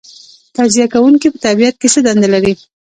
تجزیه کوونکي په طبیعت کې څه دنده لري